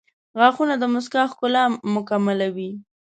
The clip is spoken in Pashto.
• غاښونه د مسکا ښکلا مکملوي.